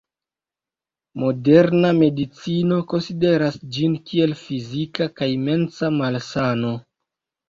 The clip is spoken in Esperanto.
Moderna medicino konsideras ĝin kiel fizika kaj mensa malsano.